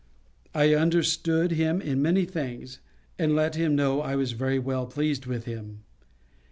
I understood him in many things, and let him know I was very well pleased with him.